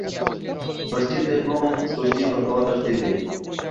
ধর্ষিত এবং শোষিত হওয়ার চেয়ে।